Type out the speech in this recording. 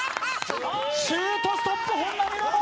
シュートストップ本並ロボ。